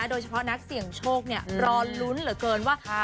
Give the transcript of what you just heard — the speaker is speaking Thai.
โดยเฉพาะนักเสี่ยงโชครอลุ้นเหลือเกินว่า